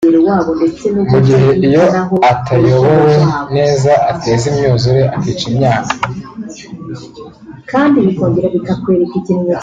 mu gihe iyo atayobowe neza ateza imyuzure akica imyaka